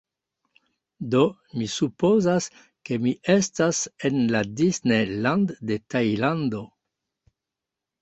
Do, mi supozas, ke mi estas en la Disney Land de Tajlando